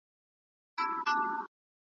د هر غړي وظیفه د ټولني په جوړښت کې مهمه ده.